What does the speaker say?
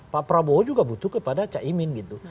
pak prabowo juga butuh kepada cak imin gitu